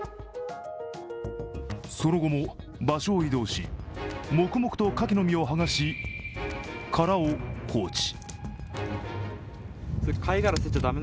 その後も場所を移動し、黙々とかきの身を剥がし殻を放置。